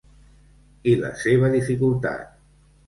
I la seva dificultat.